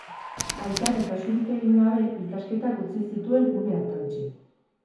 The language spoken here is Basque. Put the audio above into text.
Aitari kasurik egin gabe, ikasketak utzi zituen une hartantxe.